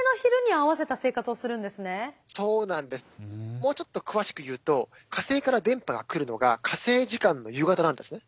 もうちょっと詳しく言うと火星から電波が来るのが火星時間の夕方なんですね。